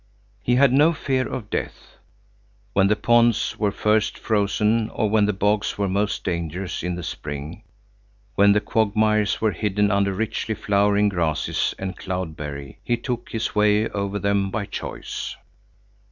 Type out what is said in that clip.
He had no fear of death. When the ponds were first frozen, or when the bogs were most dangerous in the spring, when the quagmires were hidden under richly flowering grasses and cloudberry, he took his way over them by choice.